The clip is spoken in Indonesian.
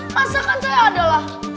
masakan saya adalah